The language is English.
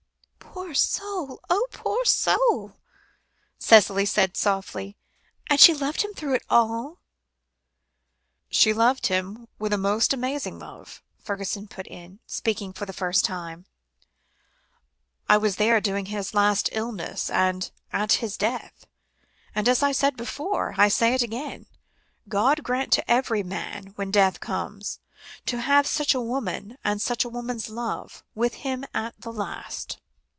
"Poor soul! oh, poor soul!" Cicely said softly. "And she loved him through it all?" "She loved him with a most amazing love," Fergusson put in, speaking for the first time. "I was there during his last illness, and at his death; and, as I said before, I say it again: 'God grant to every man when death comes, to have such a woman, and such a woman's love, with him at the last!'"